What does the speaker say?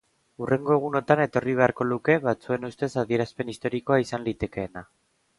Hurrengo egunotan etorri beharko luke batzuen ustez adierazpen istorikoa izan litekeena.